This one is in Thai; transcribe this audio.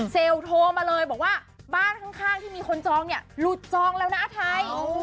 โทรมาเลยบอกว่าบ้านข้างที่มีคนจองเนี่ยหลุดจองแล้วนะอาไทย